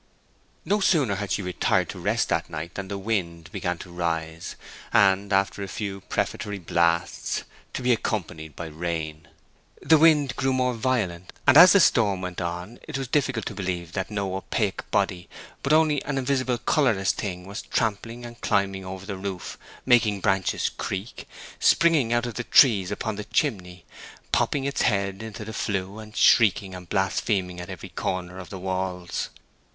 No sooner had she retired to rest that night than the wind began to rise, and, after a few prefatory blasts, to be accompanied by rain. The wind grew more violent, and as the storm went on, it was difficult to believe that no opaque body, but only an invisible colorless thing, was trampling and climbing over the roof, making branches creak, springing out of the trees upon the chimney, popping its head into the flue, and shrieking and blaspheming at every corner of the walls.